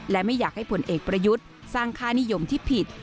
และไม่อยากให้ผลเอกประยุทธ์สร้างค่านิยมที่ผิด